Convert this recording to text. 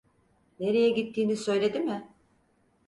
Nereye gittiğini söyledi mi?